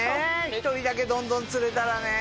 １人だけどんどん釣れたらね。